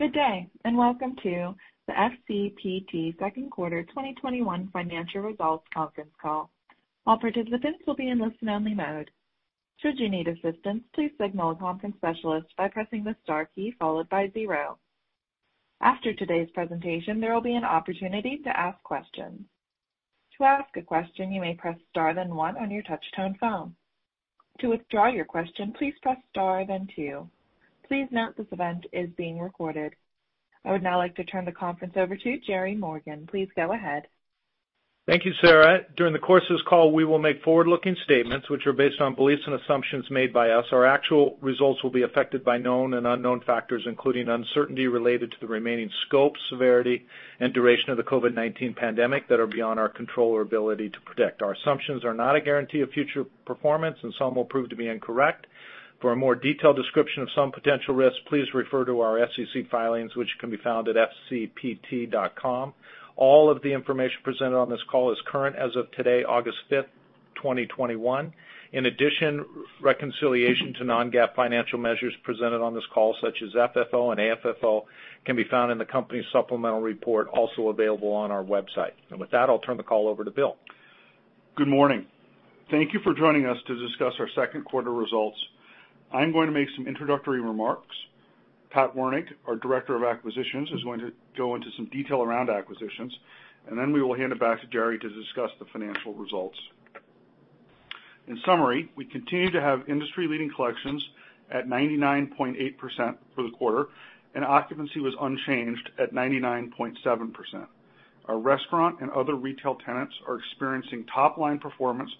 Good day, and welcome to the FCPT second quarter 2021 financial results conference call. All participants will be in listen-only mode. Should you need assistance, please signal a conference specialist by pressing the star key followed by zero. After today's presentation, there will be an opportunity to ask questions. To ask a question, you may press star then one on your touchtone phone. To withdraw your question, please press star then two. Please note this event is being recorded. I would now like to turn the conference over to Gerry Morgan. Please go ahead. Thank you, Sarah. During the course of this call, we will make forward-looking statements which are based on beliefs and assumptions made by us. Our actual results will be affected by known and unknown factors, including uncertainty related to the remaining scope, severity, and duration of the COVID-19 pandemic that are beyond our control or ability to predict. Our assumptions are not a guarantee of future performance, and some will prove to be incorrect. For a more detailed description of some potential risks, please refer to our SEC filings, which can be found at fcpt.com. All of the information presented on this call is current as of today, August 5th, 2021. In addition, reconciliation to non-GAAP financial measures presented on this call, such as FFO and AFFO, can be found in the company's supplemental report, also available on our website. With that, I'll turn the call over to Bill. Good morning. Thank you for joining us to discuss our second quarter results. I'm going to make some introductory remarks. Pat Wernig, our Director of Acquisitions, is going to go into some detail around acquisitions, and then we will hand it back to Gerry to discuss the financial results. In summary, we continue to have industry-leading collections at 99.8% for the quarter, and occupancy was unchanged at 99.7%. Our restaurant and other retail tenants are experiencing top-line performance,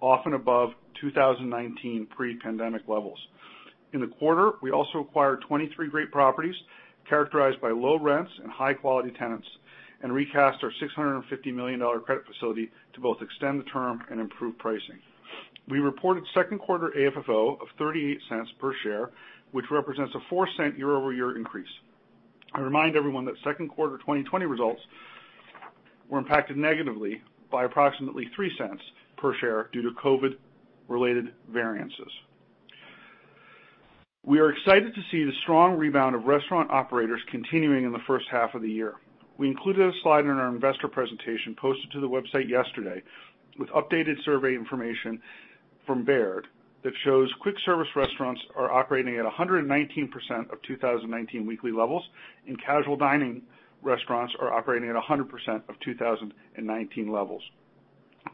often above 2019 pre-pandemic levels. In the quarter, we also acquired 23 great properties characterized by low rents and high-quality tenants and recast our $650 million credit facility to both extend the term and improve pricing. We reported second quarter AFFO of $0.38 per share, which represents a $0.04 year-over-year increase. I remind everyone that second quarter 2020 results were impacted negatively by approximately $0.03 per share due to COVID-19-related variances. We are excited to see the strong rebound of restaurant operators continuing in the first half of the year. We included a slide in our investor presentation posted to the website yesterday with updated survey information from Baird that shows quick service restaurants are operating at 119% of 2019 weekly levels, and casual dining restaurants are operating at 100% of 2019 levels.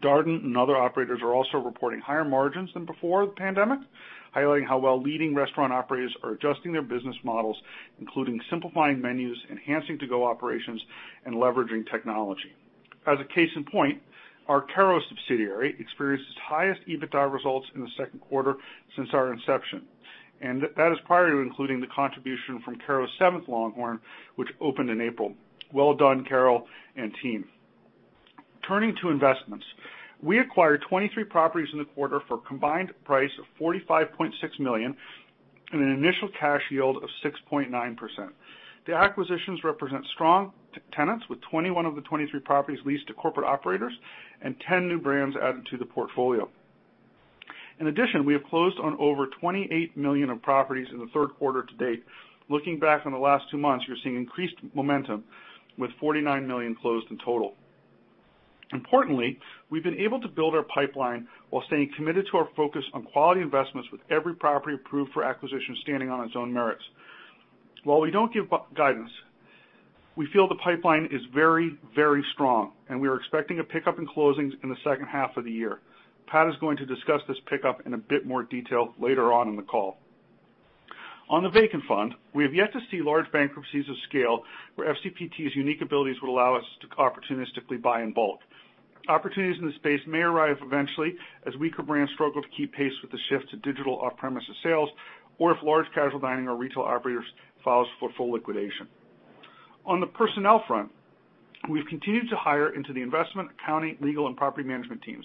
Darden and other operators are also reporting higher margins than before the pandemic, highlighting how well leading restaurant operators are adjusting their business models, including simplifying menus, enhancing to-go operations, and leveraging technology. As a case in point, our Kerrow subsidiary experienced its highest EBITDA results in the second quarter since our inception, and that is prior to including the contribution from Kerrow's seventh LongHorn, which opened in April. Well done, Kerrow and team. Turning to investments. We acquired 23 properties in the quarter for a combined price of $45.6 million and an initial cash yield of 6.9%. The acquisitions represent strong tenants with 21 of the 23 properties leased to corporate operators and 10 new brands added to the portfolio. In addition, we have closed on over $28 million of properties in the third quarter to date. Looking back on the last two months, you are seeing increased momentum, with $49 million closed in total. Importantly, we have been able to build our pipeline while staying committed to our focus on quality investments with every property approved for acquisition standing on its own merits. While we don't give guidance, we feel the pipeline is very, very strong, and we are expecting a pickup in closings in the second half of the year. Pat is going to discuss this pickup in a bit more detail later on in the call. On the vacant front, we have yet to see large bankruptcies of scale where FCPT's unique abilities would allow us to opportunistically buy in bulk. Opportunities in this space may arrive eventually as weaker brands struggle to keep pace with the shift to digital off-premises sales or if large casual dining or retail operators files for full liquidation. On the personnel front, we've continued to hire into the investment, accounting, legal, and property management teams.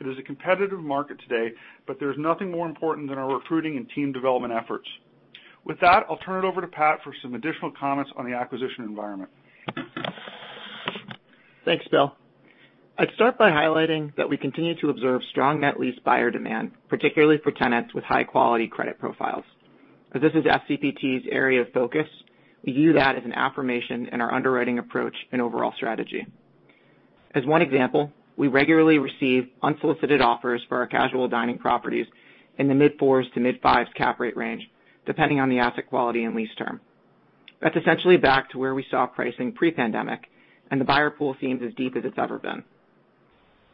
It is a competitive market today, but there's nothing more important than our recruiting and team development efforts. With that, I'll turn it over to Pat for some additional comments on the acquisition environment. Thanks, Bill. I'd start by highlighting that we continue to observe strong net lease buyer demand, particularly for tenants with high-quality credit profiles. As this is FCPT's area of focus, we view that as an affirmation in our underwriting approach and overall strategy. As one example, we regularly receive unsolicited offers for our casual dining properties in the mid-fours to mid-fives cap rate range, depending on the asset quality and lease term. That's essentially back to where we saw pricing pre-pandemic, and the buyer pool seems as deep as it's ever been.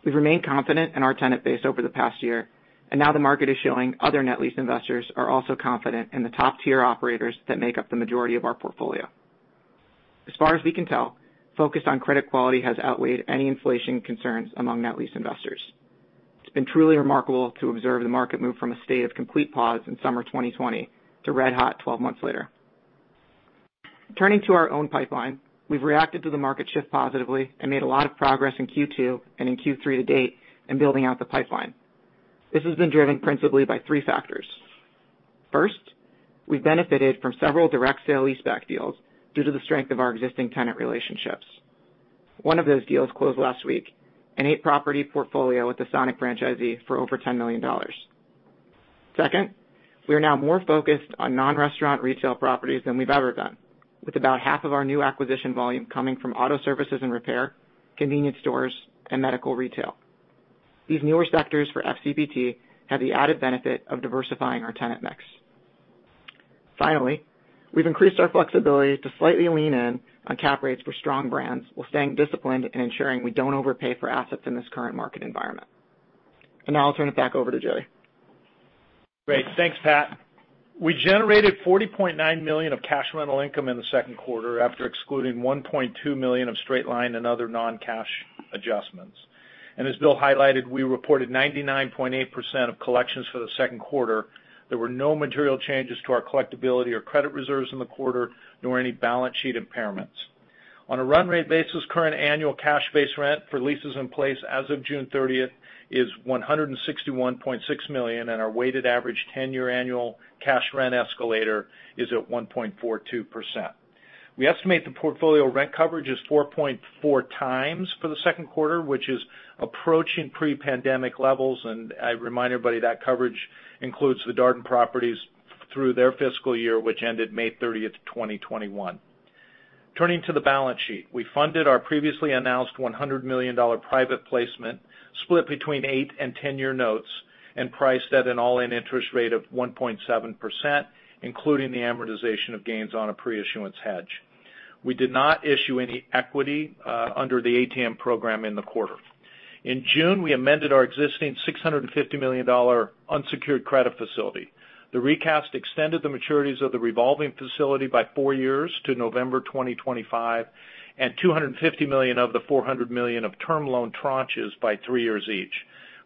We've remained confident in our tenant base over the past year, and now the market is showing other net lease investors are also confident in the top-tier operators that make up the majority of our portfolio. As far as we can tell, focus on credit quality has outweighed any inflation concerns among net lease investors. It's been truly remarkable to observe the market move from a state of complete pause in summer 2020 to red hot 12 months later. Turning to our own pipeline, we've reacted to the market shift positively and made a lot of progress in Q2 and in Q3 to date in building out the pipeline. This has been driven principally by three factors. First, we benefited from several direct sale leaseback deals due to the strength of our existing tenant relationships. One of those deals closed last week, an eight-property portfolio with a Sonic franchisee for over $10 million. Second, we are now more focused on non-restaurant retail properties than we've ever been. With about half of our new acquisition volume coming from auto services and repair, convenience stores, and medical retail. These newer sectors for FCPT have the added benefit of diversifying our tenant mix. Finally, we've increased our flexibility to slightly lean in on cap rates for strong brands, while staying disciplined and ensuring we don't overpay for assets in this current market environment. I'll turn it back over to Gerry. Great. Thanks, Pat. We generated $40.9 million of cash rental income in the second quarter after excluding $1.2 million of straight-line and other non-cash adjustments. As Bill highlighted, we reported 99.8% of collections for the second quarter. There were no material changes to our collectibility or credit reserves in the quarter, nor any balance sheet impairments. On a run rate basis, current annual cash base rent for leases in place as of June 30th is $161.6 million, and our weighted average 10-year annual cash rent escalator is at 1.42%. We estimate the portfolio rent coverage is 4.4x for the second quarter, which is approaching pre-pandemic levels, and I remind everybody that coverage includes the Darden properties through their fiscal year, which ended May 30th, 2021. Turning to the balance sheet. We funded our previously announced $100 million private placement, split between eight and 10-year notes and priced at an all-in interest rate of 1.7%, including the amortization of gains on a pre-issuance hedge. We did not issue any equity under the ATM program in the quarter. In June, we amended our existing $650 million unsecured credit facility. The recast extended the maturities of the revolving facility by four years to November 2025, and $250 million of the $400 million of term loan tranches by three years each.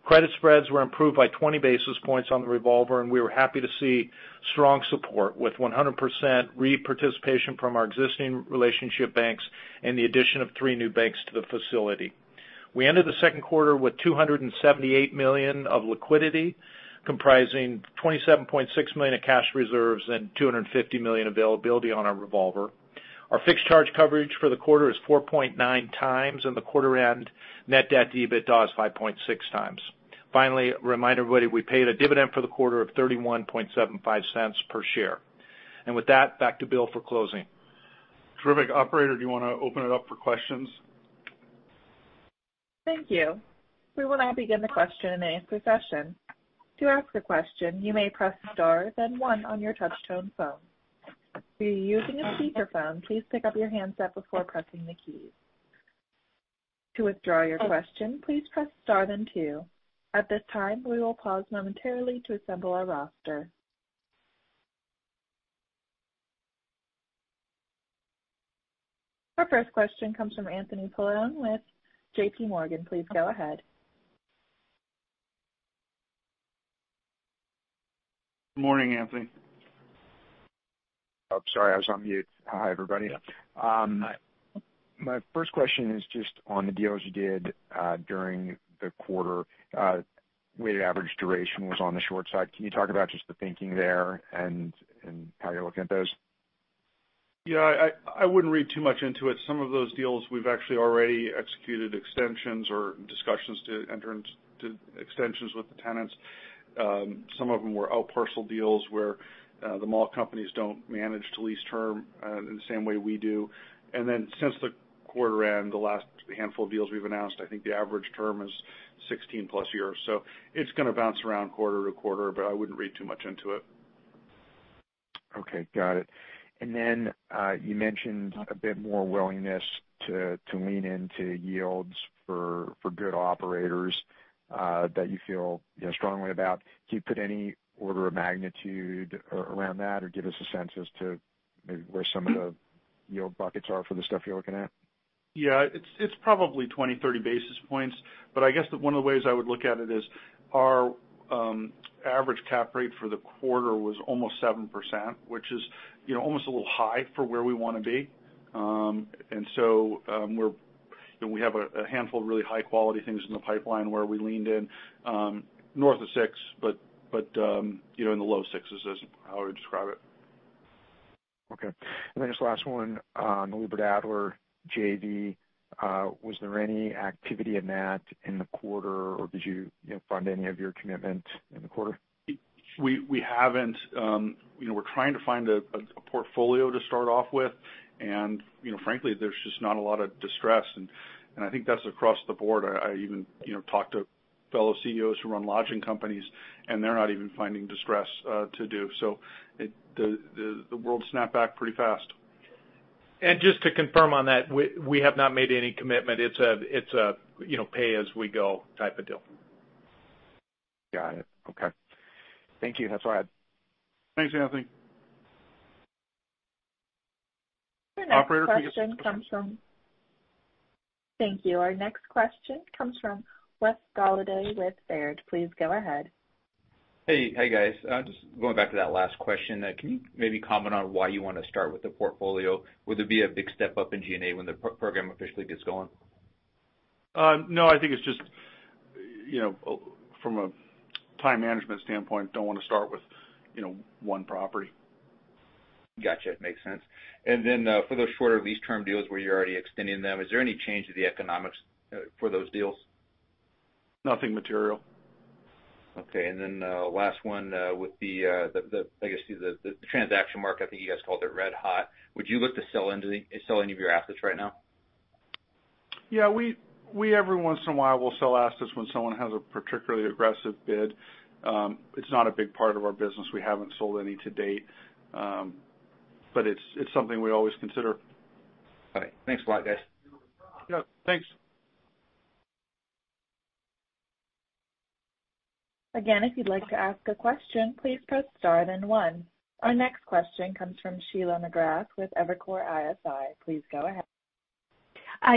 Credit spreads were improved by 20 basis points on the revolver, and we were happy to see strong support with 100% reparticipation from our existing relationship banks and the addition of three new banks to the facility. We ended the second quarter with $278 million of liquidity, comprising $27.6 million of cash reserves and $250 million availability on our revolver. Our fixed charge coverage for the quarter is 4.9x. The quarter end net debt-to-EBITDA is 5.6x. Finally, remind everybody, we paid a dividend for the quarter of $0.3175 per share. With that, back to Bill for closing. Terrific. Operator, do you want to open it up for questions? Thank you. We will now begin the question-and-answer session. To ask a question, you may press star, then one on your touchtone phone. If you're using a speakerphone, please pick up your handset before pressing the keys. To withdraw your question, please press star then two. At this time, we will pause momentarily to assemble our roster. Our first question comes from Anthony Paolone with JPMorgan. Please go ahead. Morning, Anthony. Oh, sorry, I was on mute. Hi, everybody. Yeah. Hi. My first question is just on the deals you did during the quarter. Weighted average duration was on the short side. Can you talk about just the thinking there and how you're looking at those? Yeah, I wouldn't read too much into it. Some of those deals we've actually already executed extensions or discussions to enter into extensions with the tenants. Some of them were outparcel deals where the mall companies don't manage to lease term in the same way we do. Then since the quarter end, the last handful of deals we've announced, I think the average term is 16+ years. It's going to bounce around quarter to quarter, but I wouldn't read too much into it. Okay. Got it. Then, you mentioned a bit more willingness to lean into yields for good operators that you feel strongly about. Can you put any order of magnitude around that or give us a sense as to maybe where some of the yield buckets are for the stuff you're looking at? Yeah. It's probably 20, 30 basis points. I guess one of the ways I would look at it is our average cap rate for the quarter was almost 7%, which is almost a little high for where we want to be. We have a handful of really high-quality things in the pipeline where we leaned in north of 6%, but in the low sixes is how I would describe it. Okay. Just last one on the Lubert-Adler JV. Was there any activity in that in the quarter, or did you fund any of your commitment in the quarter? We haven't. We're trying to find a portfolio to start off with and frankly, there's just not a lot of distress, and I think that's across the board. I even talked to fellow CEOs who run lodging companies, and they're not even finding distress to do. The world snapped back pretty fast. Just to confirm on that, we have not made any commitment. It's a pay as we go type of deal. Got it. Okay. Thank you. That's all I had. Thanks, Anthony. Your next question comes from. Operator. Thank you. Our next question comes from Wes Golladay with Baird. Please go ahead. Hey, guys. Just going back to that last question. Can you maybe comment on why you want to start with the portfolio? Would there be a big step-up in G&A when the program officially gets going? I think it's just from a time management standpoint, don't want to start with one property. Gotcha. Makes sense. For those shorter lease term deals where you're already extending them, is there any change to the economics for those deals? Nothing material. Okay. Last one. With the transaction market, I think you guys called it red hot, would you look to sell any of your assets right now? Yeah. We every once in a while will sell assets when someone has a particularly aggressive bid. It's not a big part of our business. We haven't sold any to date. It's something we always consider. Okay. Thanks a lot, guys. Yeah, thanks. Again, if you'd like to ask a question, please press star then one. Our next question comes from Sheila McGrath with Evercore ISI. Please go ahead.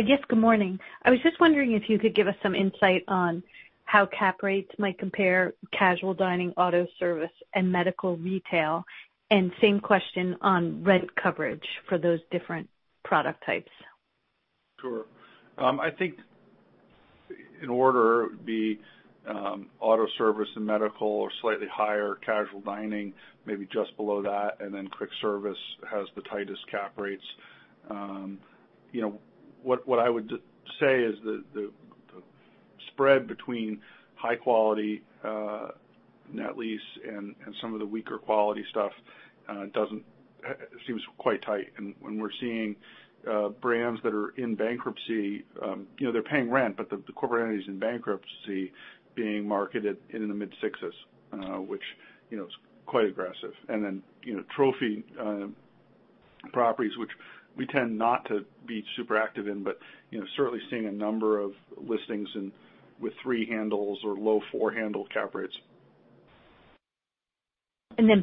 Yes, good morning. I was just wondering if you could give us some insight on how cap rates might compare casual dining, auto service, and medical retail, and same question on rent coverage for those different product types? Sure. I think in order, it would be auto service and medical are slightly higher, casual dining maybe just below that, and then quick service has the tightest cap rates. What I would say is the spread between high-quality net lease and some of the weaker-quality stuff seems quite tight. When we're seeing brands that are in bankruptcy, they're paying rent, but the corporate entity's in bankruptcy, being marketed in the mid-sixes, which is quite aggressive. Then trophy properties, which we tend not to be super active in, but certainly seeing a number of listings and with three handles or low four-handle cap rates.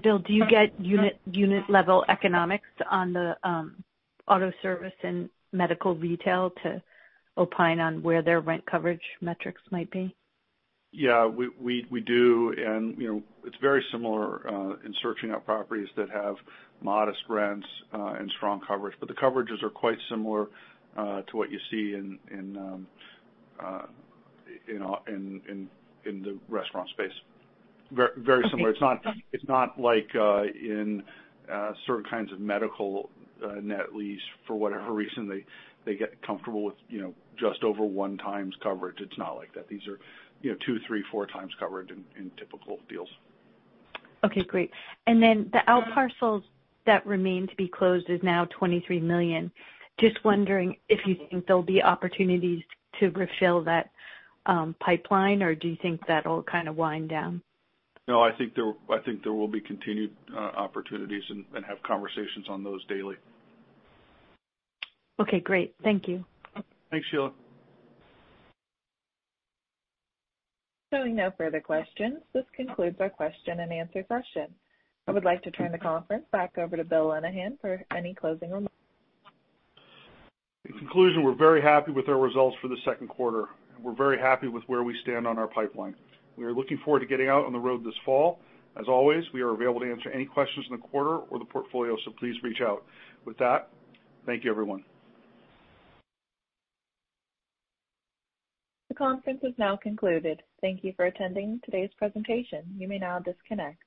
Bill, do you get unit level economics on the auto service and medical retail to opine on where their rent coverage metrics might be? Yeah, we do. It's very similar in searching out properties that have modest rents and strong coverage. The coverages are quite similar to what you see in the restaurant space. Very similar. Okay. It's not like in certain kinds of medical net lease, for whatever reason, they get comfortable with just over 1x coverage. It's not like that. These are 2x, 3x, 4x coverage in typical deals. Okay, great. The outparcels that remain to be closed is now $23 million. Just wondering if you think there'll be opportunities to refill that pipeline or do you think that'll kind of wind down? I think there will be continued opportunities and have conversations on those daily. Okay, great. Thank you. Thanks, Sheila. Showing no further questions, this concludes our question-and-answer session. I would like to turn the conference back over to Bill Lenehan for any closing remarks. In conclusion, we're very happy with our results for the second quarter, and we're very happy with where we stand on our pipeline. We are looking forward to getting out on the road this fall. As always, we are available to answer any questions on the quarter or the portfolio, so please reach out. With that, thank you everyone. The conference has now concluded. Thank you for attending today's presentation. You may now disconnect.